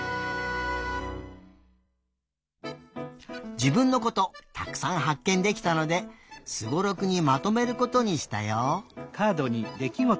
自分のことたくさんはっけんできたのでスゴロクにまとめることにしたよ。